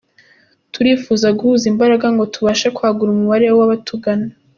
Turifuza guhuza imbaraga ngo tubashe kwagura umubare w’abatugana.